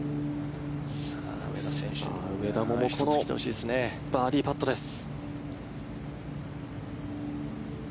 上田桃子のバーディーパットです。